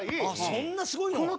そんなすごいの？